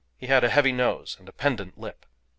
He had a heavy nose and a pendant lip.